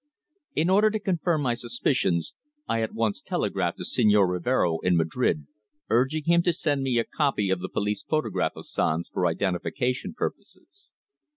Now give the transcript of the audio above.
In order to confirm my suspicions, I at once telegraphed to Señor Rivero in Madrid, urging him to send me a copy of the police photograph of Sanz for identification purposes.